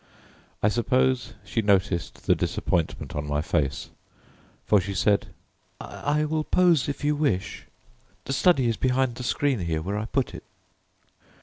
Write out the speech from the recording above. I suppose she noticed the disappointment on my face, for she said: "I will pose if you wish. The study is behind the screen here where I put it."